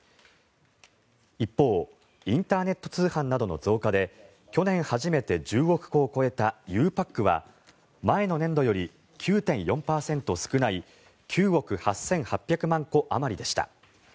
一方、インターネット通販などの増加で去年初めて１０億個を超えたゆうパックは前の年度より９．４％少ない９億８８００万個あまりでした。